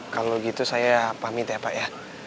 kalau gitu saya pamit ya pak ya